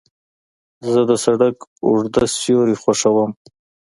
زه د سړک اوږده سیوري خوښوم.